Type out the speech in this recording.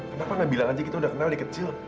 kenapa nggak bilang aja kita udah kenal di kecil